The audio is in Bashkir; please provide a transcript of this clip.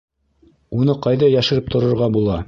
Уны ҡайҙа йәшереп торорға була?